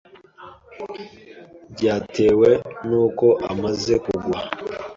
Byatewe n'uko amaze kugwa